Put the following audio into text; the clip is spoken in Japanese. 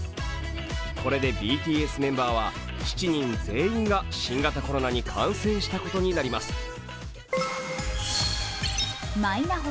これでＢＴＳメンバーは７人全員が新型コロナに感染したことになります。